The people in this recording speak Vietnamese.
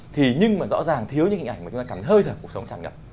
thì nhưng mà rõ ràng thiếu những hình ảnh mà chúng ta cảm thấy hơi thở cuộc sống tràn ngập